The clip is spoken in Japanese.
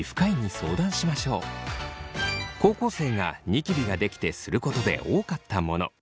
高校生がニキビができてすることで多かったもの。